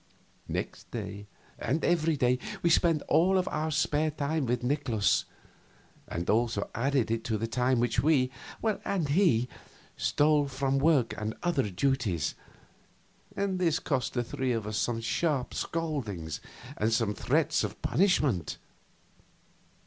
Next day and every day we spent all of our spare time with Nikolaus; and also added to it time which we (and he) stole from work and other duties, and this cost the three of us some sharp scoldings, and some threats of punishment.